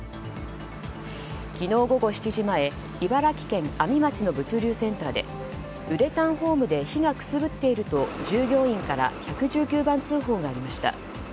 昨日午後７時前茨城県阿見町の物流センターでウレタンホームで火がくすぶっていると従業員から１１９番通報がありました。